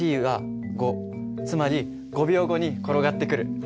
つまり５秒後に転がってくる。